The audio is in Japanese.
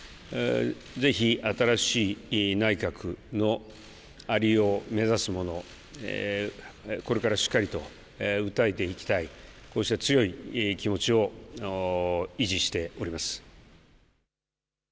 ぜひ、新しい内閣のありよう、目指すもの、これからしっかりと訴えていきたい、こうした強い気持ちを維持しております。